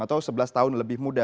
atau sebelas tahun lebih muda